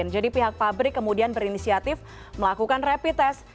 jadi pihak pabrik kemudian berinisiatif melakukan rapid test